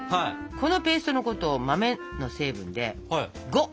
このペーストのことを豆の成分で「呉」っていいます。